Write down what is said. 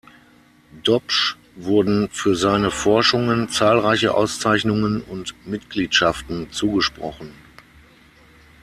Dopsch wurden für seine Forschungen zahlreiche Auszeichnungen und Mitgliedschaften zugesprochen.